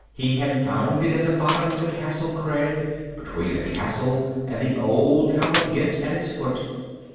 He had found it at the bottom of the castle crag, between the castle and the old town of Ghent at its foot.